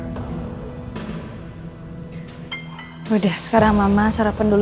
sudah sekarang mama sarapan dulu